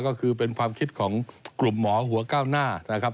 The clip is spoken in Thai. ก็คือเป็นความคิดของกลุ่มหมอหัวก้าวหน้านะครับ